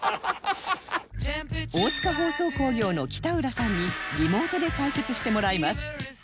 大塚包装工業の北浦さんにリモートで解説してもらいます